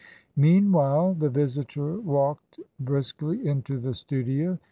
Meanwhile, the visitor walked briskly into the studio.